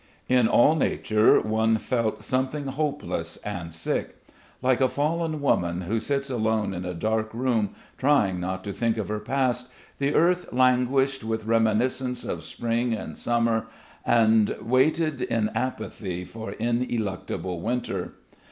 In all nature one felt something hopeless and sick. Like a fallen woman who sits alone in a dark room trying not to think of her past, the earth languished with reminiscence of spring and summer and waited in apathy for ineluctable winter.